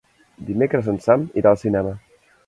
Dimecres en Sam irà al cinema.